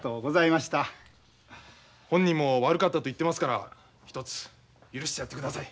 本人も悪かったと言ってますからひとつ許してやってください。